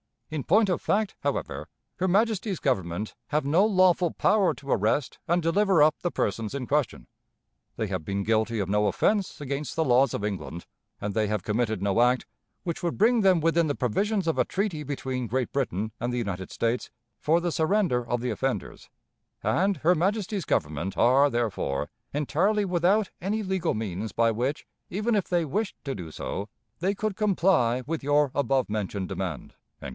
In point of fact, however, her Majesty's Government have no lawful power to arrest and deliver up the persons in question. They have been guilty of no offense against the laws of England, and they have committed no act which would bring them within the provisions of a treaty between Great Britain and the United States for the surrender of the offenders; and her Majesty's Government are, therefore, entirely without any legal means by which, even if they wished to do so, they could comply with your above mentioned demand."